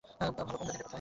ভালো উম, মেলিন্ডা কোথায়?